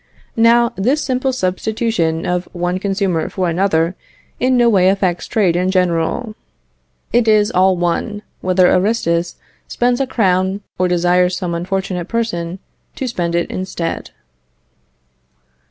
Now, this simple substitution of one consumer for another in no way affects trade in general. It is all one, whether Aristus spends a crown or desires some unfortunate person to spend it instead.